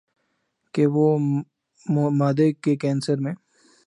کہ وہ معدے کے کینسر میں